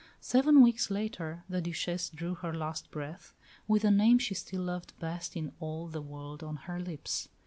Seven weeks later the Duchesse drew her last breath, with the name she still loved best in all the world on her lips.